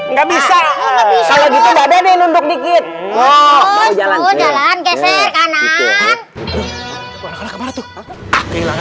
nggak bisa bisa lebih ke badan ini nunduk dikit jalan jalan